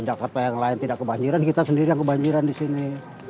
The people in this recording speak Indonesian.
jakarta yang lain tidak kebanjiran kita sendiri yang kebanjiran di sini